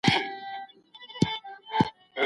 سياسي همږغي د حوصلې او خبرو له لاري رامنځته کېږي.